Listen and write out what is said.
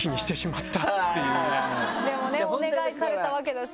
でもねお願いされたわけだし。